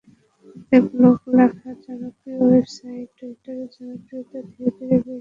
খুদে ব্লগ লেখার জনপ্রিয় ওয়েবসাইট টুইটারের জনপ্রিয়তা ধীরে ধীরে বেশ বেড়েই চলেছে।